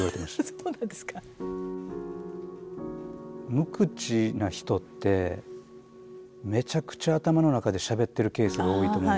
無口な人ってめちゃくちゃ頭の中でしゃべってるケースが多いと思うんですよ。